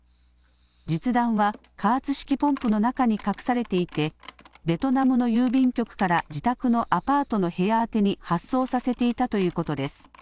実弾は加圧式ポンプの中に隠されていてベトナムの郵便局から自宅のアパートの部屋宛てに発送させていたということです。